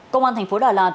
công an thành phố đà lạt